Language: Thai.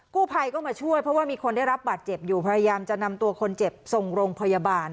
กู้ภัยก็มาช่วยเพราะว่ามีคนได้รับบาดเจ็บอยู่พยายามจะนำตัวคนเจ็บส่งโรงพยาบาล